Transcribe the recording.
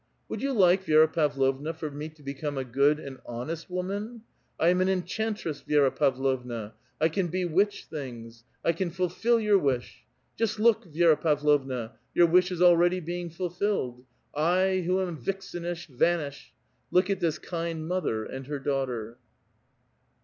Would you like, Vi6ra Pavlovna, for me to become a good and honest woman ? I am an enchantress, Vi6ra Pavlovna ; I can bewitch things ; I can fulfil your wish. Just look, Vi^ra Pavlovna ! your wish is already being fulfilled. I, who am vixenish, vanish. Look at this kind mother and her daughter